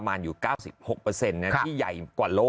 ดำเนินคดีต่อไปนั่นเองครับ